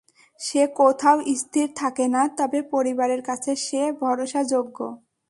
সে কোথাও স্থির থাকে না, তবে পরিবারের কাছে সে ভরসাযোগ্য।